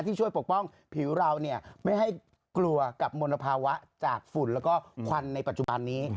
ที่ช่วยปกป้องผิวเราไม่ให้กลัวกับมลภาวะจากฝุ่นแล้วก็ควันในปัจจุบันนี้